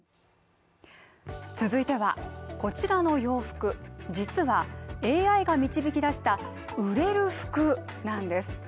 続いてはこちらの洋服、実はＡＩが導き出した売れる服なんです。